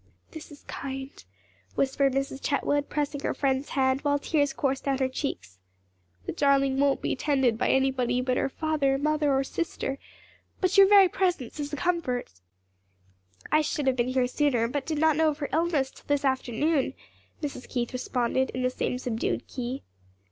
"This is kind," whispered Mrs. Chetwood, pressing her friend's hand, while tears coursed down her cheeks. "The darling won't be tended by any body but mother, father or sister, but your very presence is a comfort." "I should have been here sooner, but did not know of her illness till this afternoon," Mrs. Keith responded in the same subdued key.